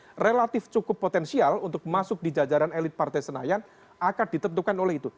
karena relatif cukup potensial untuk masuk di jajaran elit partai senayan akan ditentukan oleh itu